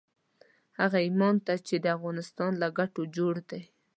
هغه ايمان ته چې د افغانستان له ګټو جوړ دی.